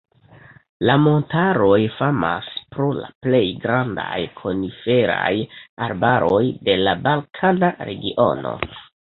La montaroj famas pro la plej grandaj koniferaj arbaroj de la balkana regiono.